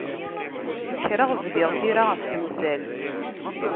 Kkreɣ bdiɣ tira ɣef temsalt.